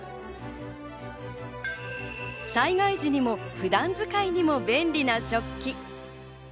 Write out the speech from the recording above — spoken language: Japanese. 災害時にも普段使いにも便利な食器。